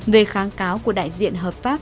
về kháng cáo của đại diện hợp pháp